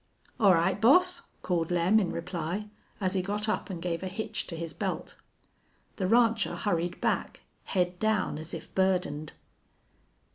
"All right, boss," called Lem, in reply, as he got up and gave a hitch to his belt. The rancher hurried back, head down, as if burdened.